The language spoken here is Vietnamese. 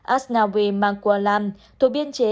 asnawi mangkulam thuộc biên chế